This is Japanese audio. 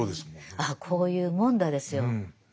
あこういうもんだですよ。